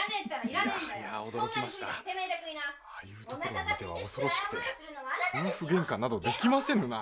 ああいうところを見ては恐ろしくて夫婦喧嘩などできませぬな。